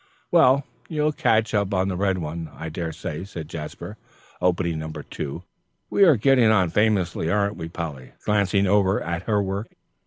"Well, you'll catch up on the red one, I dare say," said Jasper, opening No. 2. "We are getting on famously, aren't we, Polly?" glancing over at her work.